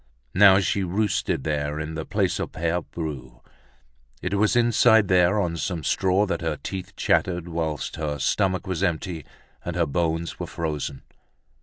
Now she roosted there in the place of Pere Bru. It was inside there, on some straw, that her teeth chattered, whilst her stomach was empty and her bones were frozen.